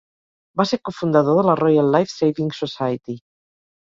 Va ser cofundador de la Royal Life Saving Society.